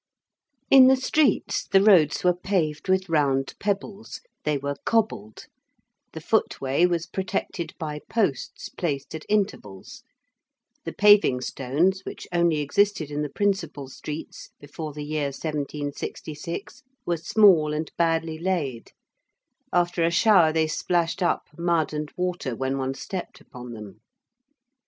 In the streets the roads were paved with round pebbles they were 'cobbled': the footway was protected by posts placed at intervals: the paving stones, which only existed in the principal streets before the year 1766, were small, and badly laid: after a shower they splashed up mud and water when one stepped upon them.